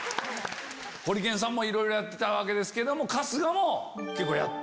ホリケンさんもいろいろやってたわけですけども春日も結構やって。